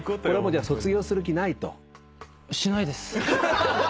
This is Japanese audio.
じゃあ卒業する気ないと？しないです。